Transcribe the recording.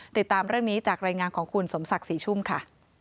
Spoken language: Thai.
ติดตามเรื่องนี้จากรายงานของคุณสมศักดิ์ศรีชุ่มค่ะ